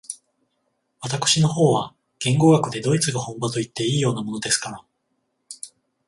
私の方は言語学でドイツが本場といっていいようなものですから、